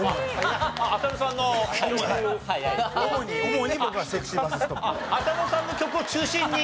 あっ浅野さんの曲を中心に？